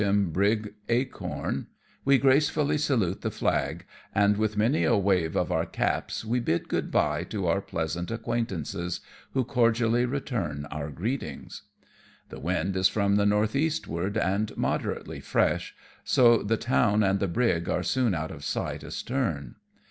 M. brig Acorn, we grace fully salute the flag, and with many a wave of our caps we bid good bye to our pleasant acquaintances, who cordially return our greetings. The wind is from the north eastward and moderately fresh, so the town and the brig are soon out of sight astern.